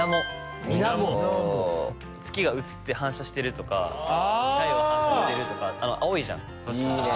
月が映って反射してるとか太陽反射してるとかあの青いじゃん。